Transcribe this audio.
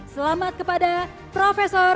selamat kepada profesor